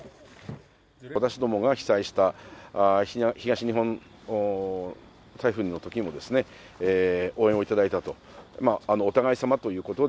私どもが被災した東日本台風のときも、応援を頂いたと。